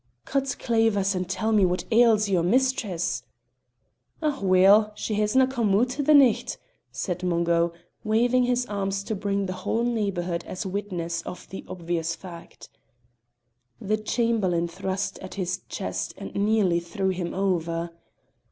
"Cut clavers and tell me what ails your mistress!" "Oh, weel; she hisna come oot the nicht," said Mungo, waving his arms to bring the whole neighbourhood as witness of the obvious fact. The Chamberlain thrust at his chest and nearly threw him over.